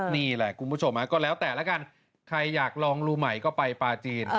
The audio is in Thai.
นี่แหละคุณผู้ชมก็แล้วแต่ละกันใครอยากลองรูใหม่ก็ไปปลาจีน